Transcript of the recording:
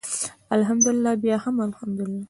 الحمدلله بیا هم الحمدلله.